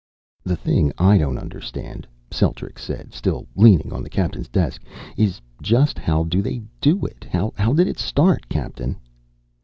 "The thing I don't understand," Celtrics said, still leaning on the captain's desk, "is just how do they do it? How did it start, Captain?"